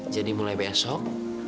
jadi mulai besok